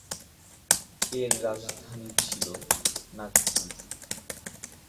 এর রাজধানী ছিল নাগপুর।